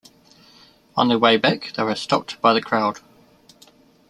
On their way back they were stopped by the crowd.